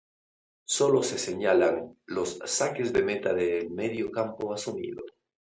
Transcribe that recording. Solo se señalan los saques de meta del medio campo asumido.